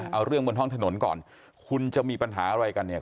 เอาเรื่องบนท้องถนนก่อนคุณจะมีปัญหาอะไรกันเนี่ย